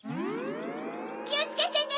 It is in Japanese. きをつけてね！